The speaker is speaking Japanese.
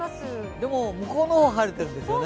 でも向こうの方は晴れているんですよね。